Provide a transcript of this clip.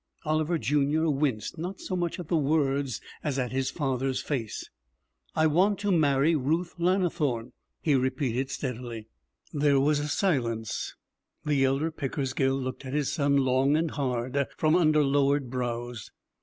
Oliver Junior winced, not so much at the words as at his father's face. 'I want to marry Ruth Lannithorne,' he repeated steadily. There was a silence. The elder Pickersgill looked at his son long and hard from under lowered brows.